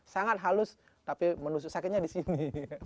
sangat halus tapi menusuk sakitnya di sini